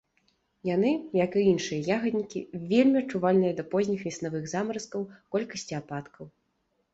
Яны, як і іншыя ягаднікі, вельмі адчувальныя да позніх веснавых замаразкаў, колькасці ападкаў.